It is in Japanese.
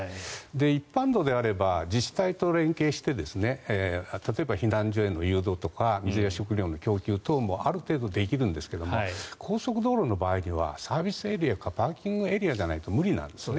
一般道であれば自治体と連携をして例えば避難所への誘導とか水や食料の供給もある程度できるんですけども高速道路の場合にはサービスエリアかパーキングエリアじゃないと無理なんですね。